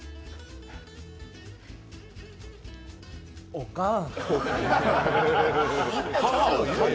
おかん！